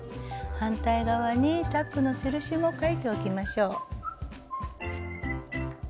反対側にタックの印も書いておきましょう。